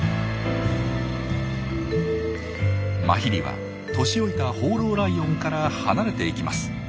マヒリは年老いた放浪ライオンから離れていきます。